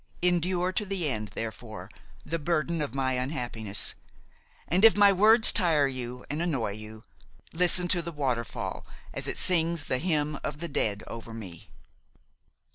Endure to the end, therefore, the burden of my unhappiness; and if my words tire you and annoy you, listen to the waterfall as it sings the hymn of the dead over me.